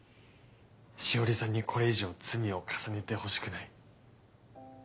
詩織さんにこれ以上罪を重ねてほしくない。